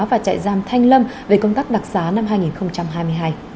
và trại giam thanh lâm về công tác đặc sá năm hai nghìn hai mươi hai